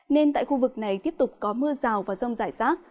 nên tại khu vực này tiếp tục có mưa rào và rông rải rác